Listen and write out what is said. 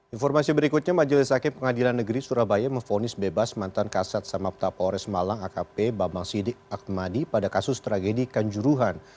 informasi berikutnya majelis hakim pengadilan negeri surabaya memfonis bebas mantan kasat samapta polres malang akp bambang sidik akmadi pada kasus tragedi kanjuruhan